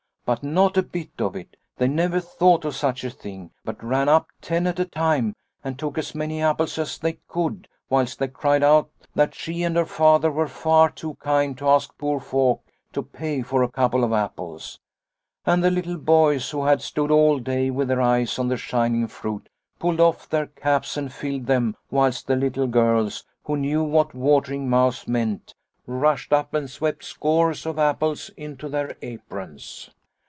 " But not a bit of it ! They never thought of such a thing, but ran up, ten at a time, and took as many apples as they could, whilst they cried out that she and her Father were far too kind to ask poor folk to pay for a couple of apples. And the little boys who had stood all day with their eyes on the shining fruit, pulled off their caps and filled them, whilst the little girls, who knew what watering mouths meant, rushed up and swept scores of apples into their aprons.